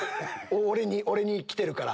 俺に来てるから。